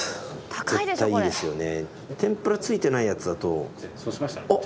絶対いいですよね。